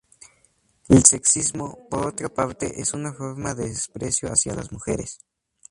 El sexismo, por otra parte, es una forma de desprecio hacia las mujeres.